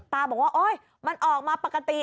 ตาบอกว่าโอ๊ยมันออกมาปกติ